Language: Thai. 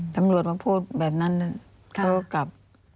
ตำรวจมาพูดแบบนั้นเขาก็กลับ